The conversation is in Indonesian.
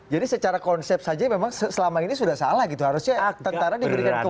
jadi secara konsep saja memang selama ini sudah salah gitu harusnya tentara diberikan kewenangan